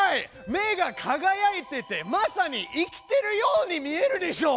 目がかがやいててまさに生きてるように見えるでしょう！